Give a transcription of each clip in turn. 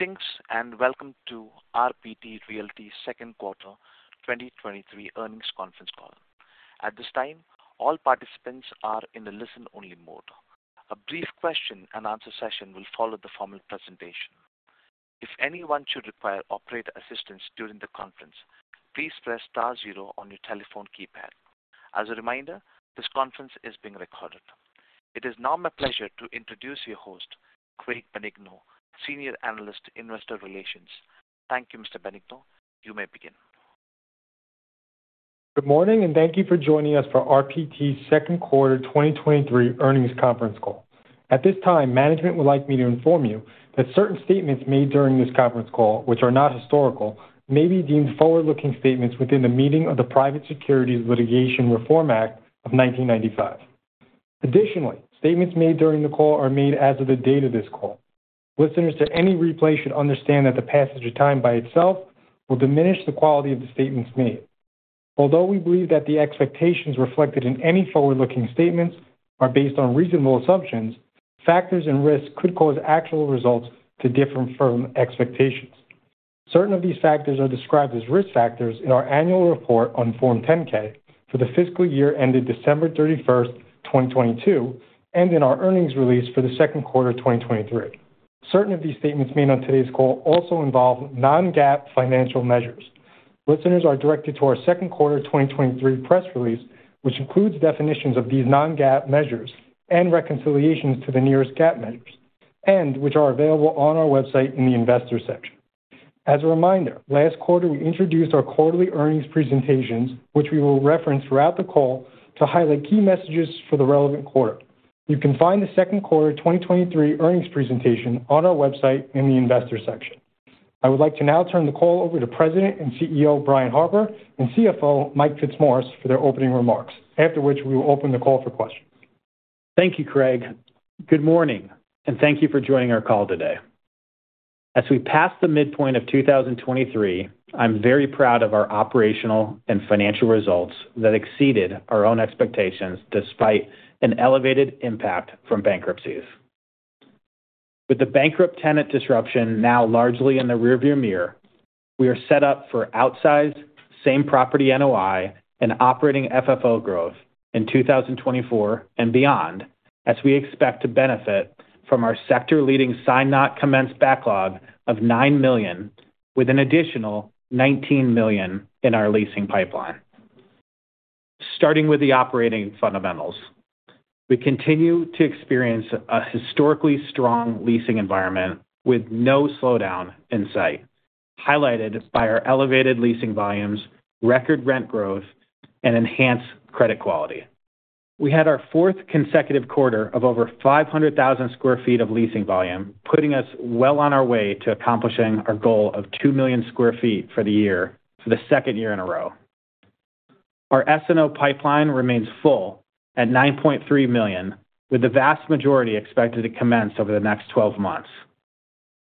Thanks, welcome to RPT Realty Second Quarter 2023 Earnings Conference Call. At this time, all participants are in a listen-only mode. A brief question-and-answer session will follow the formal presentation. If anyone should require operator assistance during the conference, please press star zero on your telephone keypad. As a reminder, this conference is being recorded. It is now my pleasure to introduce your host, Craig Benigno, Senior Analyst, Investor Relations. Thank you, Mr. Benigno. You may begin. Good morning, thank you for joining us for RPT's Second Quarter 2023 Earnings Conference Call. At this time, management would like me to inform you that certain statements made during this conference call, which are not historical, may be deemed forward-looking statements within the meaning of the Private Securities Litigation Reform Act of 1995. Additionally, statements made during the call are made as of the date of this call. Listeners to any replay should understand that the passage of time by itself will diminish the quality of the statements made. Although we believe that the expectations reflected in any forward-looking statements are based on reasonable assumptions, factors and risks could cause actual results to differ from expectations. Certain of these factors are described as risk factors in our annual report on Form 10-K for the fiscal year ended December 31, 2022, and in our earnings release for the second quarter of 2023. Certain of these statements made on today's call also involve non-GAAP financial measures. Listeners are directed to our second quarter 2023 press release, which includes definitions of these non-GAAP measures and reconciliations to the nearest GAAP measures, and which are available on our website in the Investors section. As a reminder, last quarter, we introduced our quarterly earnings presentations, which we will reference throughout the call to highlight key messages for the relevant quarter. You can find the second quarter 2023 earnings presentation on our website in the Investors section. I would like to now turn the call over to President and CEO, Brian Harper, and CFO, Mike Fitzmaurice, for their opening remarks. After which, we will open the call for questions. Thank you, Craig. Good morning, and thank you for joining our call today. As we pass the midpoint of 2023, I'm very proud of our operational and financial results that exceeded our own expectations despite an elevated impact from bankruptcies. With the bankrupt tenant disruption now largely in the rearview mirror, we are set up for outsized same-property NOI and operating FFO growth in 2024 and beyond, as we expect to benefit from our sector-leading signed-not-commenced backlog of $9 million, with an additional $19 million in our leasing pipeline. Starting with the operating fundamentals, we continue to experience a historically strong leasing environment with no slowdown in sight, highlighted by our elevated leasing volumes, record rent growth, and enhanced credit quality. We had our fourth consecutive quarter of over 500,000 sq ft of leasing volume, putting us well on our way to accomplishing our goal of 2 million sq ft for the year for the second year in a row. Our SNO pipeline remains full at $9.3 million, with the vast majority expected to commence over the next 12 months.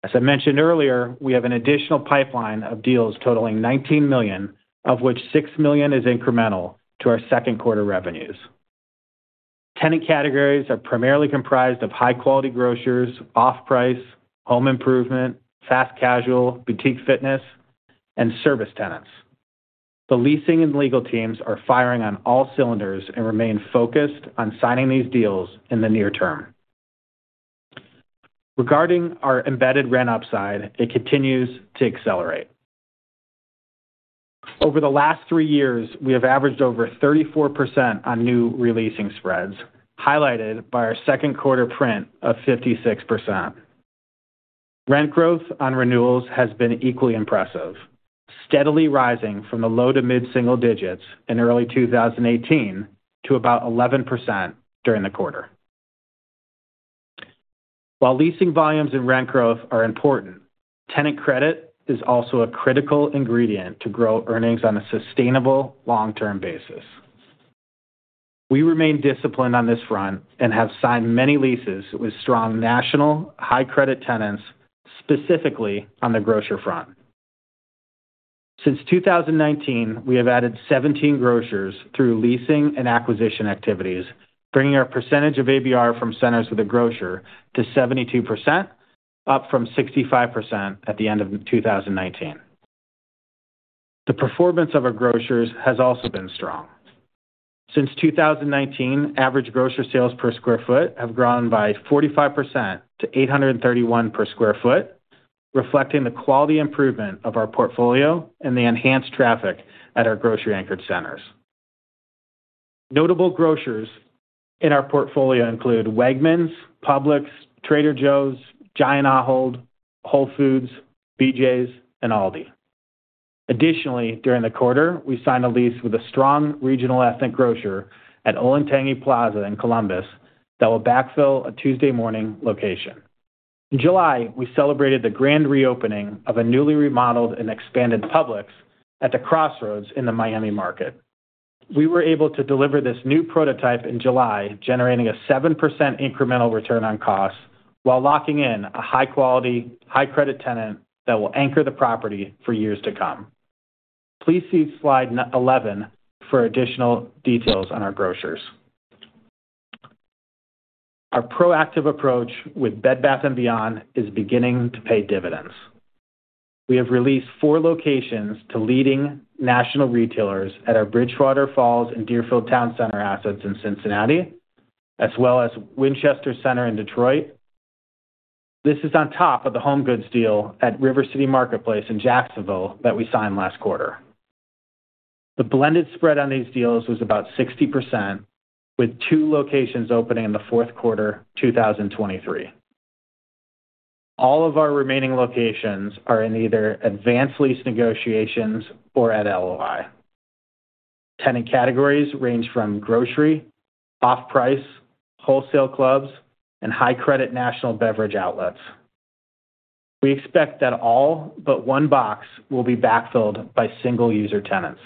As I mentioned earlier, we have an additional pipeline of deals totaling $19 million, of which $6 million is incremental to our second quarter revenues. Tenant categories are primarily comprised of high-quality grocers, off-price, home improvement, fast casual, boutique fitness, and service tenants. The leasing and legal teams are firing on all cylinders and remain focused on signing these deals in the near term. Regarding our embedded rent upside, it continues to accelerate. Over the last three years, we have averaged over 34% on new re-leasing spreads, highlighted by our second quarter print of 56%. Rent growth on renewals has been equally impressive, steadily rising from the low to mid-single digits in early 2018 to about 11% during the quarter. Leasing volumes and rent growth are important, tenant credit is also a critical ingredient to grow earnings on a sustainable long-term basis. We remain disciplined on this front and have signed many leases with strong national, high credit tenants, specifically on the grocer front. Since 2019, we have added 17 grocers through leasing and acquisition activities, bringing our percentage of ABR from centers with a grocer to 72%, up from 65% at the end of 2019. The performance of our grocers has also been strong. Since 2019, average grocer sales per square foot have grown by 45% to $831 per square foot, reflecting the quality improvement of our portfolio and the enhanced traffic at our grocery-anchored centers. Notable grocers in our portfolio include Wegmans, Publix, Trader Joe's, Giant Ahold, Whole Foods, BJ's, and Aldi. Additionally, during the quarter, we signed a lease with a strong regional ethnic grocer at Olentangy Plaza in Columbus that will backfill a Tuesday Morning location. In July, we celebrated the grand reopening of a newly remodeled and expanded Publix at the Crossroads in the Miami market. We were able to deliver this new prototype in July, generating a 7% incremental return on costs while locking in a high-quality, high credit tenant that will anchor the property for years to come. Please see Slide 11 for additional details on our grocers.... Our proactive approach with Bed Bath & Beyond is beginning to pay dividends. We have released 4 locations to leading national retailers at our Bridgewater Falls and Deerfield Town Center assets in Cincinnati, as well as Winchester Center in Detroit. This is on top of the HomeGoods deal at River City Marketplace in Jacksonville that we signed last quarter. The blended spread on these deals was about 60%, with 2 locations opening in the fourth quarter, 2023. All of our remaining locations are in either advanced lease negotiations or at LOI. Tenant categories range from grocery, off-price, wholesale clubs, and high-credit national beverage outlets. We expect that all but 1 box will be backfilled by single-user tenants.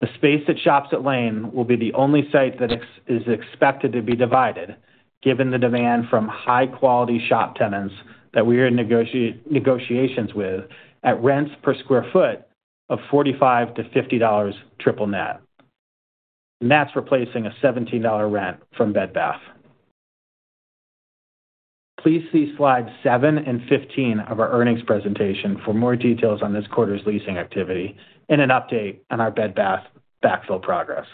The space at Shops at Lane will be the only site that is expected to be divided, given the demand from high-quality shop tenants that we are in negotiations with at rents per square foot of $45 to $50 triple-net, that's replacing a $17 rent from Bed Bath. Please see slides 7 and 15 of our earnings presentation for more details on this quarter's leasing activity and an update on our Bed Bath backfill progress.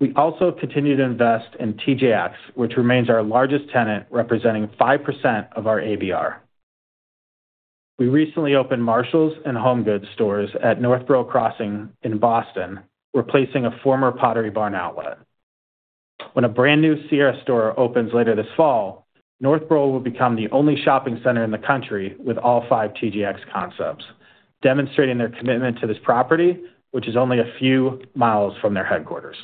We also continue to invest in TJX, which remains our largest tenant, representing 5% of our ABR. We recently opened Marshalls and HomeGoods stores at Northborough Crossing in Boston, replacing a former Pottery Barn Outlet. When a brand-new Sierra store opens later this fall, Northborough will become the only shopping center in the country with all five TJX concepts, demonstrating their commitment to this property, which is only a few miles from their headquarters.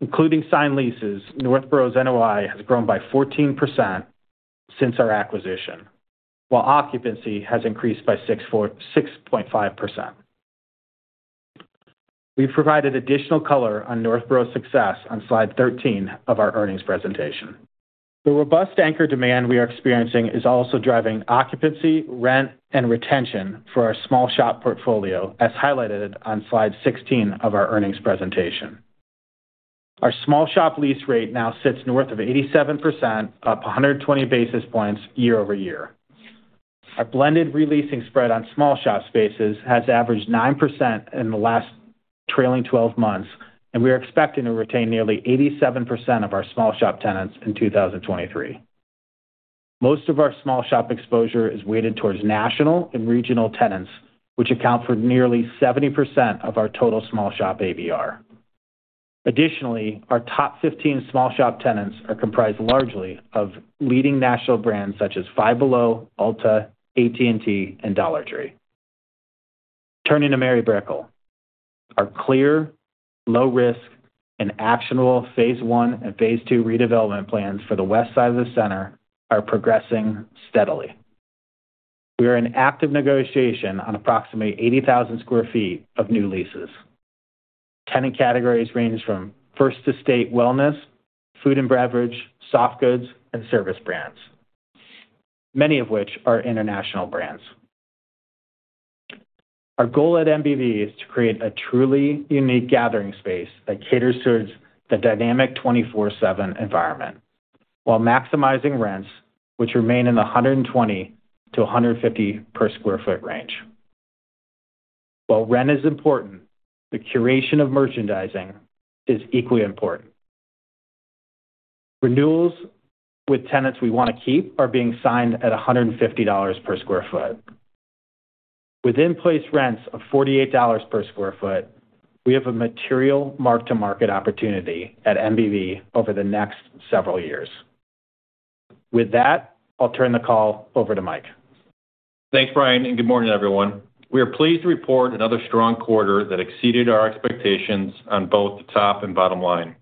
Including signed leases, Northborough's NOI has grown by 14% since our acquisition, while occupancy has increased by 6.5%. We've provided additional color on Northborough's success on Slide 13 of our earnings presentation. The robust anchor demand we are experiencing is also driving occupancy, rent, and retention for our small shop portfolio, as highlighted on Slide 16 of our earnings presentation. Our small shop lease rate now sits north of 87%, up 120 basis points year-over-year. Our blended re-leasing spread on small shop spaces has averaged 9% in the last trailing 12 months, and we are expecting to retain nearly 87% of our small shop tenants in 2023. Most of our small shop exposure is weighted towards national and regional tenants, which account for nearly 70% of our total small shop ABR. Additionally, our top 15 small shop tenants are comprised largely of leading national brands such as Five Below, Ulta, AT&T, and Dollar Tree. Turning to Mary Brickell. Our clear, low risk, and actionable phase one and phase two redevelopment plans for the west side of the center are progressing steadily. We are in active negotiation on approximately 80,000 square feet of new leases. Tenant categories range from first-to-state wellness, food and beverage, soft goods, and service brands, many of which are international brands. Our goal at MBV is to create a truly unique gathering space that caters towards the dynamic 24/7 environment while maximizing rents, which remain in the $120-$150 per square foot range. While rent is important, the curation of merchandising is equally important. Renewals with tenants we want to keep are being signed at $150 per square foot. With in-place rents of $48 per square foot, we have a material mark-to-market opportunity at MBV over the next several years. With that, I'll turn the call over to Mike. Thanks, Brian, good morning, everyone. We are pleased to report another strong quarter that exceeded our expectations on both the top and bottom line.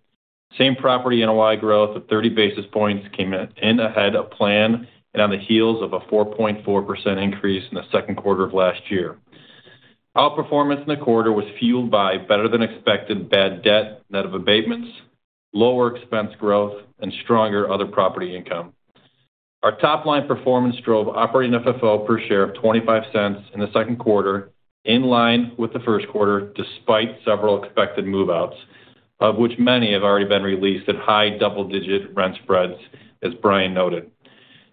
Same-property NOI growth of 30 basis points came in ahead of plan and on the heels of a 4.4% increase in the second quarter of last year. Our performance in the quarter was fueled by better-than-expected bad debt, net of abatements, lower expense growth, and stronger other property income. Our top-line performance drove operating FFO per share of $0.25 in the second quarter, in line with the first quarter, despite several expected move-outs, of which many have already been released at high double-digit rent spreads, as Brian noted.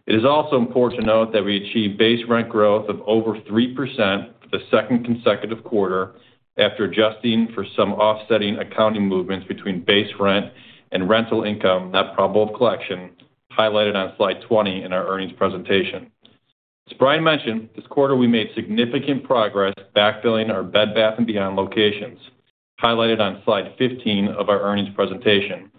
It is also important to note that we achieved base rent growth of over 3% for the second consecutive quarter after adjusting for some offsetting accounting movements between base rent and rental income not probable of collection, highlighted on Slide 20 in our earnings presentation. As Brian mentioned, this quarter we made significant progress backfilling our Bed Bath & Beyond locations, highlighted on Slide 15 of our earnings presentation.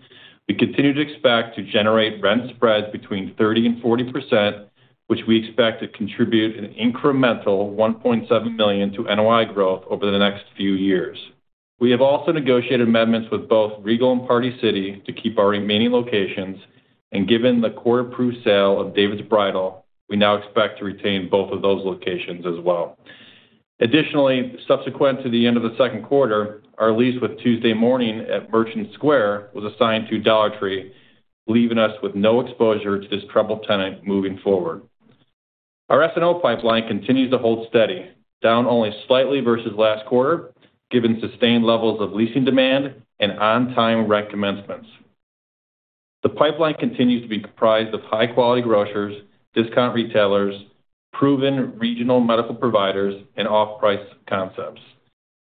We continue to expect to generate rent spreads between 30% and 40%, which we expect to contribute an incremental $1.7 million to NOI growth over the next few years. We have also negotiated amendments with both Regal and Party City to keep our remaining locations. Given the court-approved sale of David's Bridal, we now expect to retain both of those locations as well. Additionally, subsequent to the end of the second quarter, our lease with Tuesday Morning at Merchant Square was assigned to Dollar Tree, leaving us with no exposure to this troubled tenant moving forward. Our SNO pipeline continues to hold steady, down only slightly versus last quarter, given sustained levels of leasing demand and on-time rent commencements. The pipeline continues to be comprised of high-quality grocers, discount retailers, proven regional medical providers, and off-price concepts.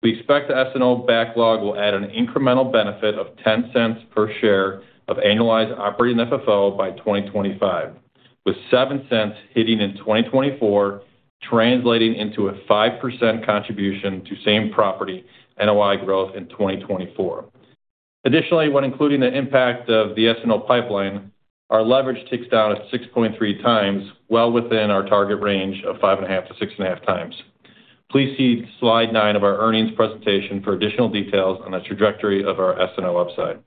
We expect the SNO backlog will add an incremental benefit of $0.10 per share of annualized operating FFO by 2025, with $0.07 hitting in 2024, translating into a 5% contribution to same-property NOI growth in 2024. Additionally, when including the impact of the SNO pipeline, our leverage ticks down to 6.3x, well within our target range of 5.5x-6.5x. Please see Slide 9 of our earnings presentation for additional details on the trajectory of our SNO upside.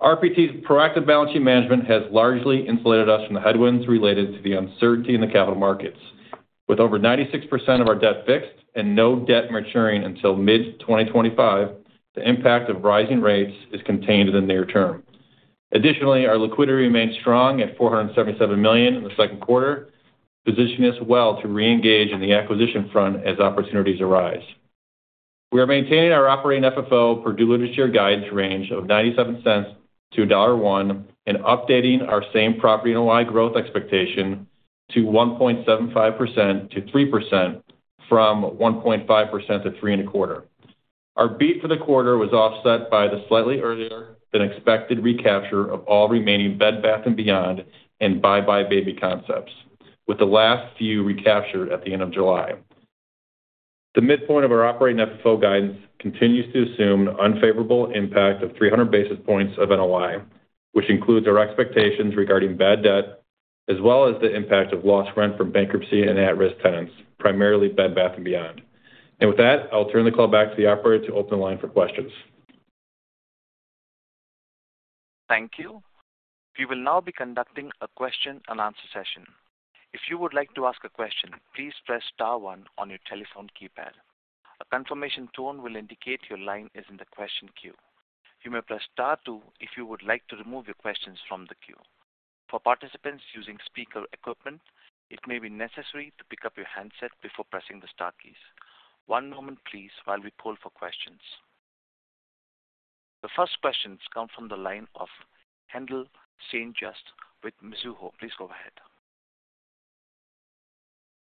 RPT's proactive balance sheet management has largely insulated us from the headwinds related to the uncertainty in the capital markets. With over 96% of our debt fixed and no debt maturing until mid-2025, the impact of rising rates is contained in the near term. Additionally, our liquidity remains strong at $477 million in the second quarter, positioning us well to reengage in the acquisition front as opportunities arise. We are maintaining our operating FFO per diluted share guidance range of $0.97 to $1.01, and updating our same-property NOI growth expectation to 1.75% to 3% from 1.5% to 3.25%. Our beat for the quarter was offset by the slightly earlier than expected recapture of all remaining Bed Bath & Beyond and buybuy BABY concepts, with the last few recaptured at the end of July. The midpoint of our operating FFO guidance continues to assume unfavorable impact of 300 basis points of NOI, which includes our expectations regarding bad debt, as well as the impact of lost rent from bankruptcy and at-risk tenants, primarily Bed Bath & Beyond. With that, I'll turn the call back to the operator to open the line for questions. Thank you. We will now be conducting a question-and-answer session. If you would like to ask a question, please press star one on your telephone keypad. A confirmation tone will indicate your line is in the question queue. You may press star two if you would like to remove your questions from the queue. For participants using speaker equipment, it may be necessary to pick up your handset before pressing the star keys. One moment please while we poll for questions. The first questions come from the line of Haendel St. Juste with Mizuho. Please go ahead.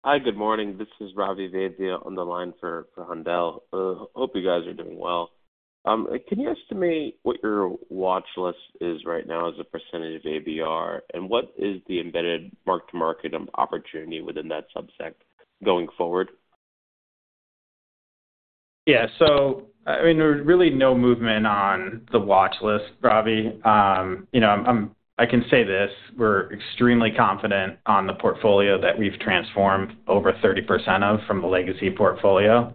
Hi, good morning. This is Ravi Vaidya on the line for, for Haendel. Hope you guys are doing well. Can you estimate what your watch list is right now as a % of ABR, and what is the embedded mark-to-market opportunity within that subsect going forward? Yeah. I mean, there's really no movement on the watch list, Ravi. You know, I can say this, we're extremely confident on the portfolio that we've transformed over 30% of from the legacy portfolio.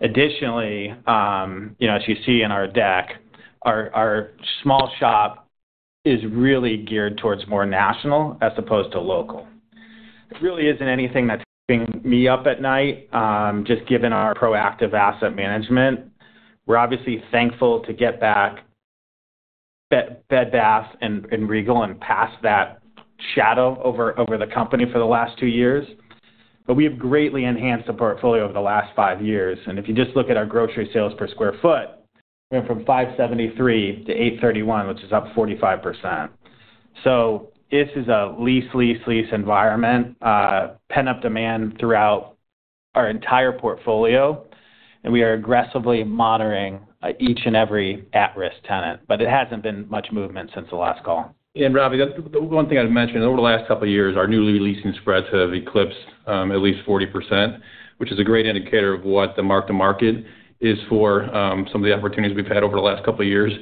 Additionally, you know, as you see in our deck, our small shop is really geared towards more national as opposed to local. It really isn't anything that's keeping me up at night, just given our proactive asset management. We're obviously thankful to get back Bed Bath and Regal, and past that shadow over the company for the last 2 years. We have greatly enhanced the portfolio over the last 5 years, and if you just look at our grocery sales per square foot, went from $573 to $831, which is up 45%. This is a lease, lease, lease environment, pen up demand throughout our entire portfolio, and we are aggressively monitoring each and every at-risk tenant. It hasn't been much movement since the last call. Ravi, the one thing I'd mention, over the last couple of years, our new leasing spreads have eclipsed, at least 40%, which is a great indicator of what the mark-to-market is for some of the opportunities we've had over the last couple of years.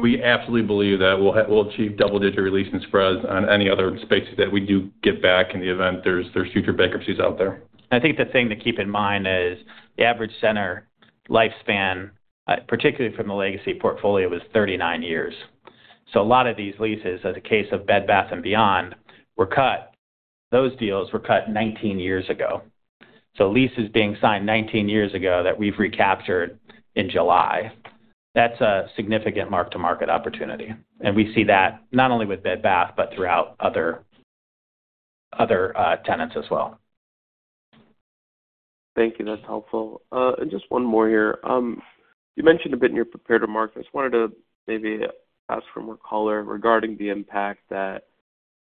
We absolutely believe that we'll achieve double-digit leasing spreads on any other space that we do get back in the event there's future bankruptcies out there. I think the thing to keep in mind is, the average center lifespan, particularly from the legacy portfolio, was 39 years. A lot of these leases, as the case of Bed Bath & Beyond, were cut. Those deals were cut 19 years ago. Leases being signed 19 years ago that we've recaptured in July, that's a significant mark-to-market opportunity. We see that not only with Bed Bath, but throughout other, other tenants as well. Thank you. That's helpful. Just one more here. You mentioned a bit in your prepared remarks. I just wanted to maybe ask for more color regarding the impact that,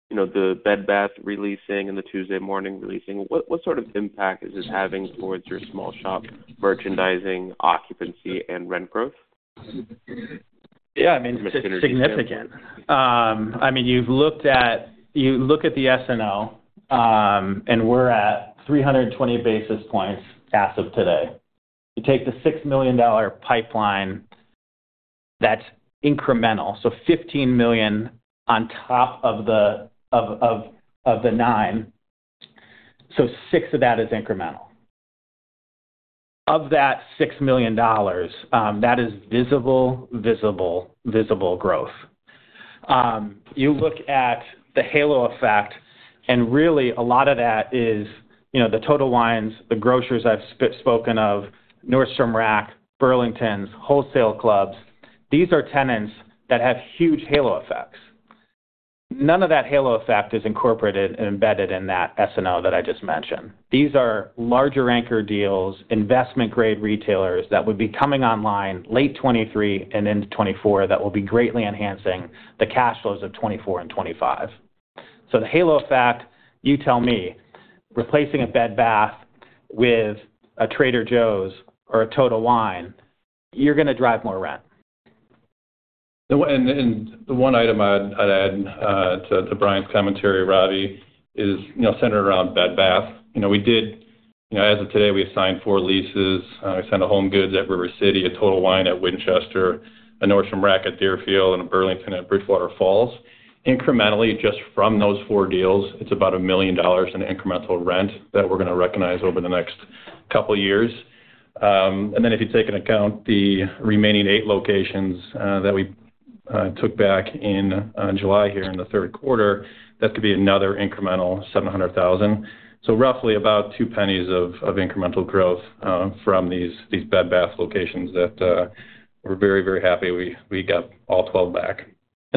you know, the Bed Bath releasing and the Tuesday Morning releasing. What, what sort of impact is this having towards your small shop merchandising, occupancy, and rent growth? Yeah, I mean, it's significant. I mean, you look at the SNO, and we're at 320 basis points as of today. You take the $6 million pipeline, that's incremental, so $15 million on top of the $9 million. $6 million of that is incremental. Of that $6 million, that is visible, visible, visible growth. You look at the halo effect, and really a lot of that is, you know, the Total Wine, the grocers I've spoken of, Nordstrom Rack, Burlington, Wholesale Clubs, these are tenants that have huge halo effects. None of that halo effect is incorporated and embedded in that SNO that I just mentioned. These are larger anchor deals, investment-grade retailers that would be coming online late 2023 and into 2024, that will be greatly enhancing the cash flows of 2024 and 2025. The halo effect, you tell me, replacing a Bed Bath with a Trader Joe's or a Total Wine, you're going to drive more rent. The one item I'd add to Brian's commentary, Ravi, is, you know, centered around Bed Bath. You know, as of today, we've signed 4 leases. We signed a HomeGoods at River City, a Total Wine at Winchester, a Nordstrom Rack at Deerfield, and a Burlington at Bridgewater Falls. Incrementally, just from those 4 deals, it's about $1 million in incremental rent that we're going to recognize over the next couple of years. If you take into account the remaining 8 locations that we took back in July here in the third quarter, that could be another incremental $700,000. Roughly about $0.02 of incremental growth from these Bed Bath locations that we're very, very happy we got all 12 back.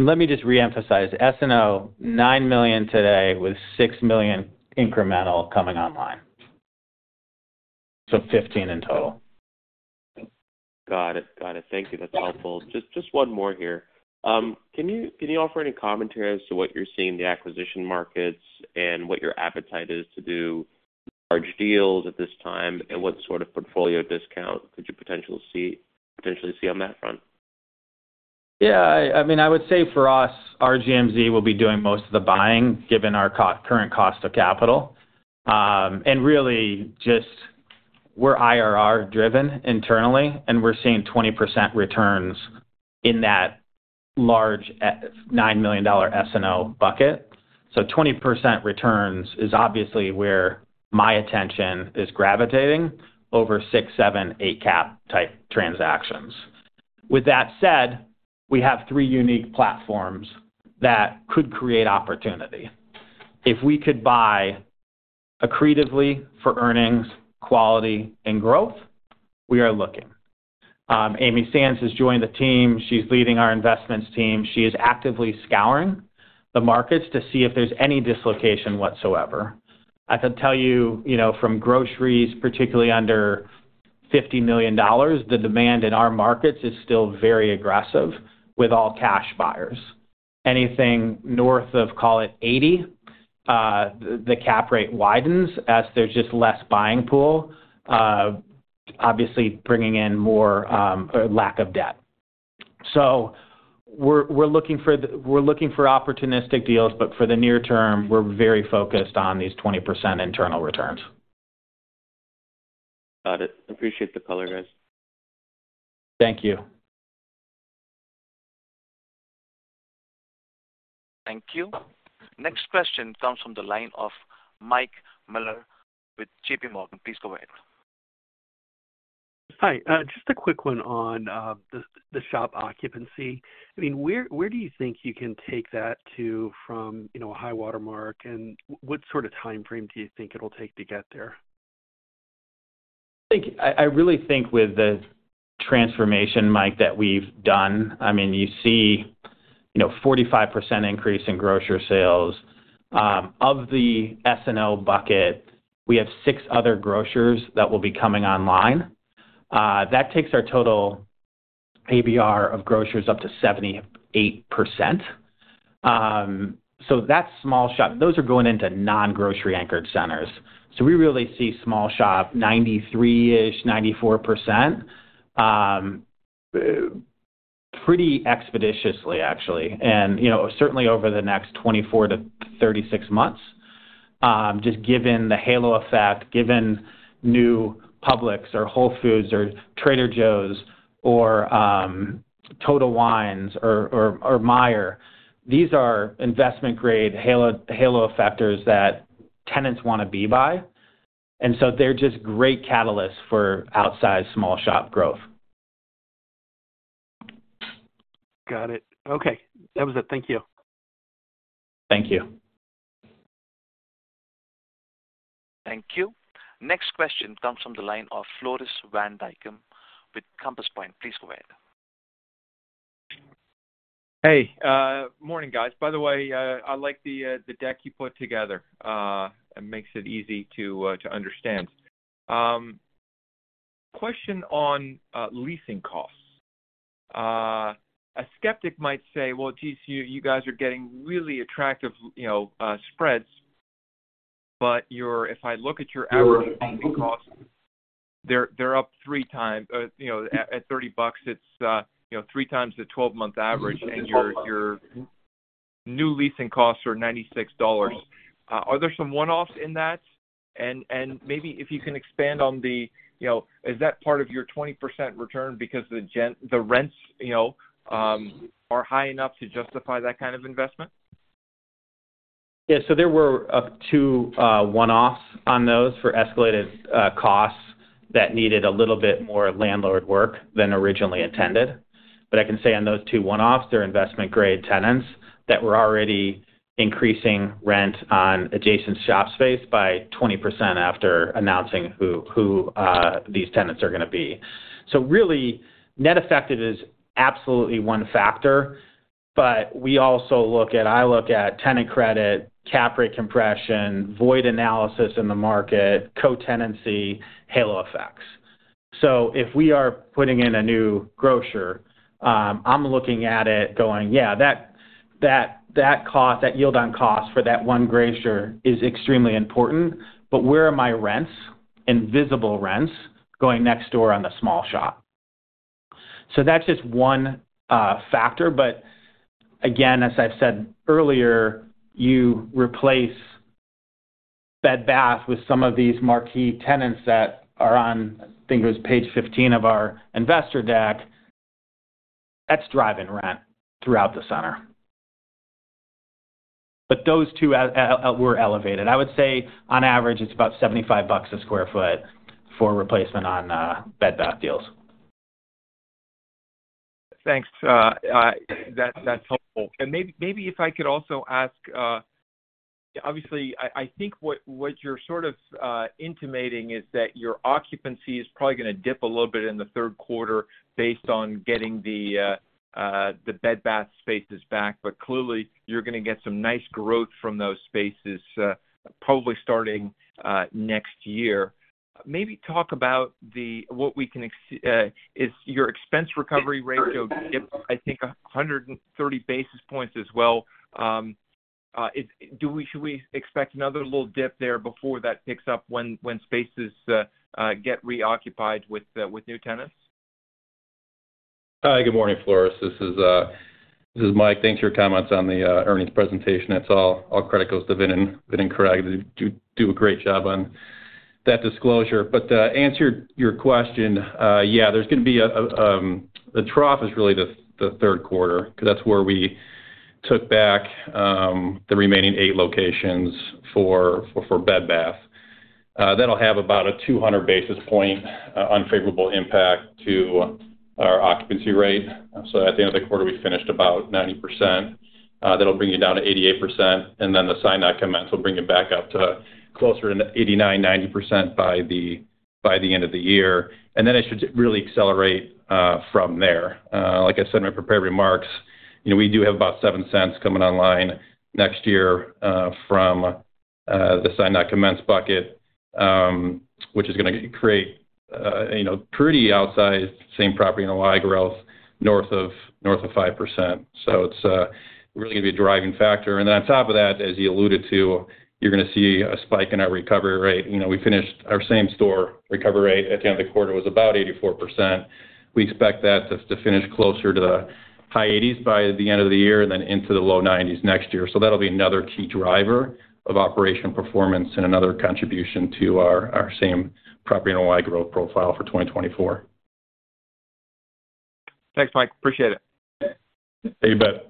let me just reemphasize, SNO, $9 million today with $6 million incremental coming online. 15 in total. Got it. Got it. Thank you. That's helpful. Just, just one more here. Can you, can you offer any commentary as to what you're seeing in the acquisition markets and what your appetite is to do large deals at this time? What sort of portfolio discount could you potentially see on that front? I mean, I would say for us, RPT Realty will be doing most of the buying, given our current cost of capital. And really just we're IRR driven internally, and we're seeing 20% returns in that large $9 million SNO bucket. 20% returns is obviously where my attention is gravitating over 6, 7, 8 cap-type transactions. With that said, we have 3 unique platforms that could create opportunity. If we could buy accretively for earnings, quality, and growth, we are looking. Amy Sands has joined the team. She's leading our investments team. She is actively scouring the markets to see if there's any dislocation whatsoever. I can tell you, you know, from groceries, particularly under $50 million, the demand in our markets is still very aggressive with all-cash buyers. Anything north of, call it 80, the cap rate widens as there's just less buying pool, obviously bringing in more, or lack of debt. We're looking for opportunistic deals, but for the near term, we're very focused on these 20% internal returns. Got it. Appreciate the color, guys. Thank you. Thank you. Next question comes from the line of Mike Miller with J.P. Morgan. Please go ahead. Hi, just a quick one on the shop occupancy. I mean, where do you think you can take that to from, you know, a high-water mark? What sort of time frame do you think it'll take to get there? I really think with the transformation, Mike, that we've done, I mean, you see, you know, 45% increase in grocer sales. Of the SNO bucket, we have 6 other grocers that will be coming online. That takes our total ABR of grocers up to 78%. That small shop, those are going into non-grocery anchored centers. We really see small shop, 93-ish, 94%, pretty expeditiously, actually, and, you know, certainly over the next 24-36 months, just given the halo effect, given new Publix or Whole Foods or Trader Joe's or Total Wines or, or, or Meijer. These are investment-grade halo, halo effectors that tenants want to be by, they're just great catalysts for outsized small shop growth. Got it. Okay, that was it. Thank you. Thank you. Thank you. Next question comes from the line of Floris van Dijkum with Compass Point. Please go ahead. Hey, morning, guys. By the way, I like the, the deck you put together. It makes it easy to, to understand. Question on leasing costs. A skeptic might say, well, gee, you, you guys are getting really attractive, you know, spreads, but your-- if I look at your average leasing costs, they're, they're up three times. At $30, it's, you know, three times the 12-month average, and your, your new leasing costs are $96. Are there some one-offs in that? Maybe if you can expand on the, you know, is that part of your 20% return because the rents, you know, are high enough to justify that kind of investment? Yeah, there were up 2 one-offs on those for escalated costs that needed a little bit more landlord work than originally intended. I can say on those 2 one-offs, they're investment-grade tenants that were already increasing rent on adjacent shop space by 20% after announcing who, who, these tenants are going to be. Really, net effect, it is absolutely 1 factor. We also look at, I look at tenant credit, cap rate compression, void analysis in the market, co-tenancy, halo effects. If we are putting in a new grocer, I'm looking at it going: yeah, that, that, that cost, that yield on cost for that 1 grocer is extremely important, but where are my rents, and visible rents, going next door on the small shop? That's just 1 factor. Again, as I've said earlier, you replace Bed Bath with some of these marquee tenants that are on, I think it was page 15 of our investor deck, that's driving rent throughout the center. Those two were elevated. I would say on average, it's about $75 a square foot for replacement on Bed Bath deals. Thanks, that's helpful. Maybe, maybe if I could also ask, obviously, I think what you're sort of intimating is that your occupancy is probably gonna dip a little bit in the third quarter based on getting the Bed Bath spaces back. Clearly, you're gonna get some nice growth from those spaces, probably starting next year. Maybe talk about what we can ex... is your expense recovery ratio dip, I think, 130 basis points as well. Should we expect another little dip there before that picks up when spaces get reoccupied with new tenants? Hi, good morning, Floris. This is Mike. Thanks for your comments on the earnings presentation. It's all, all critical to winning, winning correctly. You do, do a great job on that disclosure. Answer your question, yeah, there's gonna be a, the trough is really the third quarter, because that's where we took back the remaining 8 locations for Bed Bath. That'll have about a 200 basis point unfavorable impact to our occupancy rate. So at the end of the quarter, we finished about 90%. That'll bring you down to 88%, and then the sign that commence will bring it back up to closer to 89%-90% by the end of the year. Then it should really accelerate from there. Like I said, in my prepared remarks, you know, we do have about $0.07 coming online next year, from the sign that commence bucket, which is gonna create, you know, pretty outsized same-property NOI growth north of, north of 5%. It's really gonna be a driving factor. Then on top of that, as you alluded to, you're gonna see a spike in our recovery rate. You know, we finished our same store recovery rate at the end of the quarter was about 84%. We expect that to, to finish closer to the high 80s by the end of the year, and then into the low 90s next year. That'll be another key driver of operation performance and another contribution to our, our same-property NOI growth profile for 2024. Thanks, Mike. Appreciate it. You bet. Thank you.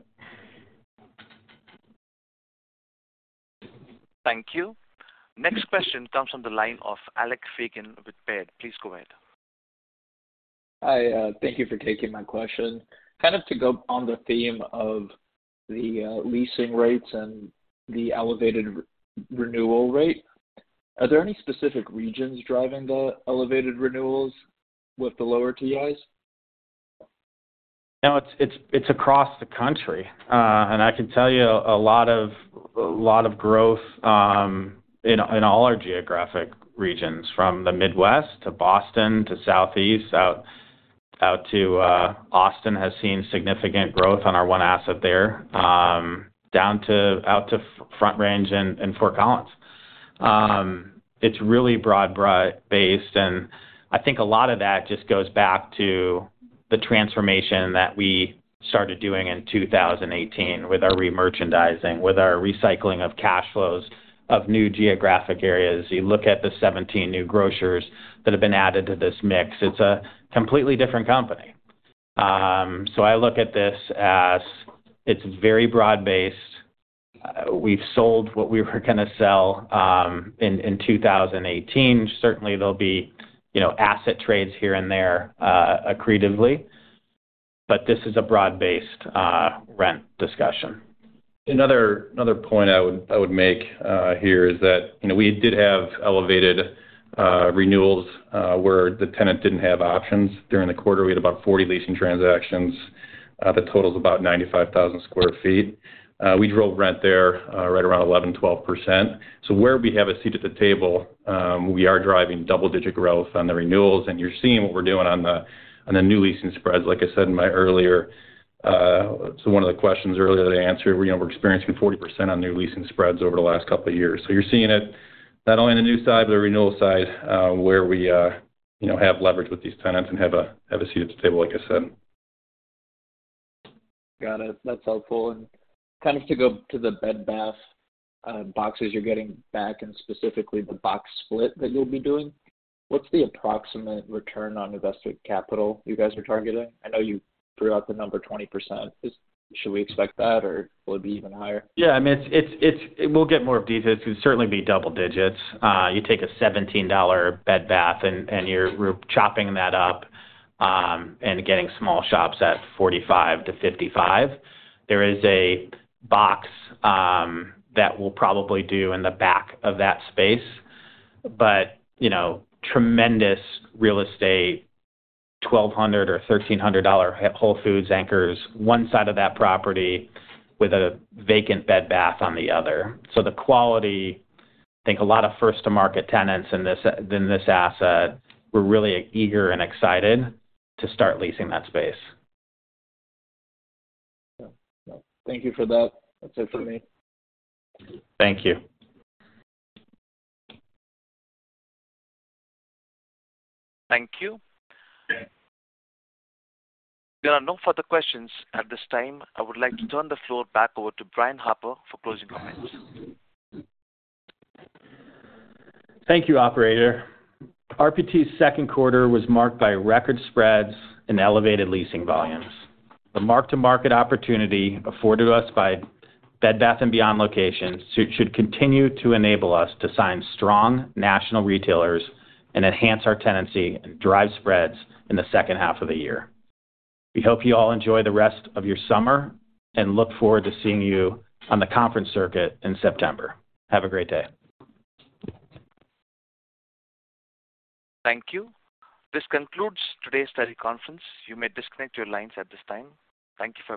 Next question comes from the line of Alex Fagan with Baird. Please go ahead. Hi, thank you for taking my question. Kind of to go on the theme of the leasing rates and the elevated re-renewal rate, are there any specific regions driving the elevated renewals with the lower TIs? No, it's, it's, it's across the country. I can tell you a lot of, lot of growth in, in all our geographic regions, from the Midwest to Boston to Southeast, out, out to Austin, has seen significant growth on our one asset there, down to out to Front Range and, and Fort Collins. It's really broad, broad-based, and I think a lot of that just goes back to the transformation that we started doing in 2018 with our remerchandising, with our recycling of cash flows of new geographic areas. You look at the 17 new grocers that have been added to this mix, it's a completely different company. I look at this as it's very broad-based. We've sold what we were gonna sell in, in 2018. Certainly, there'll be, you know, asset trades here and there, accretively, but this is a broad-based, rent discussion. Another, another point I would, I would make, you know, here is that we did have elevated renewals where the tenant didn't have options. During the quarter, we had about 40 leasing transactions that totals about 95,000 sq ft. We drove rent there right around 11%-12%. Where we have a seat at the table, we are driving double-digit growth on the renewals, and you're seeing what we're doing on the new leasing spreads. Like I said in my earlier, so one of the questions earlier that I answered, we know we're experiencing 40% on new leasing spreads over the last couple of years. You're seeing it not only on the new side, but the renewal side, where we, you know, have leverage with these tenants and have a, have a seat at the table, like I said. Got it. That's helpful. kind of to go to the Bed Bath boxes you're getting back and specifically the box split that you'll be doing, what's the approximate return on invested capital you guys are targeting? I know you threw out the number 20%. Should we expect that, or will it be even higher? Yeah, I mean, it's, we'll get more of details. It could certainly be double digits. you take a $17 Bed Bath, and, and you're chopping that up, and getting small shops at $45-$55. There is a box, that we'll probably do in the back of that space, but, you know, tremendous real estate, $1,200 or $1,300 Whole Foods anchors one side of that property with a vacant Bed Bath on the other. The quality, I think a lot of first-to-market tenants in this, in this asset, were really eager and excited to start leasing that space. Yeah. Thank you for that. That's it for me. Thank you. Thank you. There are no further questions at this time. I would like to turn the floor back over to Brian Harper for closing comments. Thank you, operator. RPT's second quarter was marked by record spreads and elevated leasing volumes. The mark-to-market opportunity afforded to us by Bed Bath & Beyond locations should continue to enable us to sign strong national retailers and enhance our tenancy and drive spreads in the second half of the year. We hope you all enjoy the rest of your summer and look forward to seeing you on the conference circuit in September. Have a great day. Thank you. This concludes today's teleconference. You may disconnect your lines at this time. Thank you for participating.